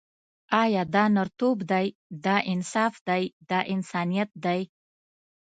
آیا دا نرتوب دی، دا انصاف دی، دا انسانیت دی.